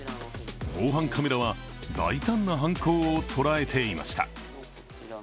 防犯カメラは大胆な犯行を捉えていました。